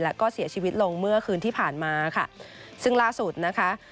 แล้วก็เสียชีวิตลงเมื่อคืนที่ผ่านมาค่ะซึ่งล่าสุดนะคะ